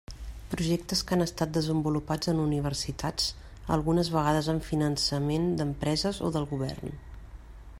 Projectes que han estat desenvolupats en universitats, algunes vegades amb finançament d'empreses o del govern.